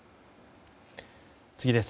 次です。